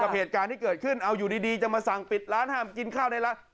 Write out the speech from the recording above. เหตุการณ์ที่เกิดขึ้นเอาอยู่ดีจะมาสั่งปิดร้านห้ามกินข้าวในร้าน